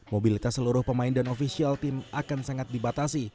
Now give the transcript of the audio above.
mobilitas seluruh pemain dan ofisial tim akan sangat dibatasi